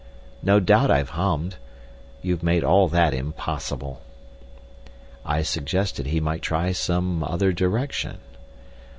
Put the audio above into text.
No doubt I've hummed.... You've made all that impossible!" I suggested he might try some other direction.